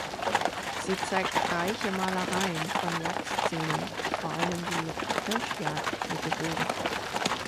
Sie zeigt reiche Malereien von Jagdszenen, vor allem die Hirschjagd mit dem Bogen.